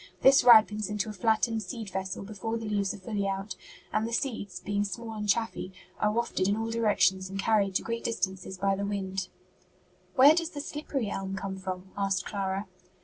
This ripens into a flattened seed vessel before the leaves are fully out, and the seeds, being small and chaffy, are wafted in all directions and carried to great distances by the wind." "Where does slippery elm come from?" asked Clara.